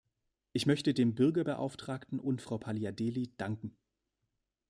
Ich möchte dem Bürgerbeauftragten und Frau Paliadeli danken.